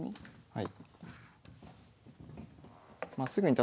はい。